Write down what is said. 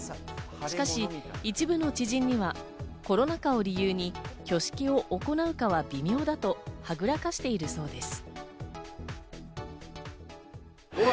しかし、一部の知人にはコロナ禍を理由に挙式を行うかは微妙だとはぐらかしているそうです。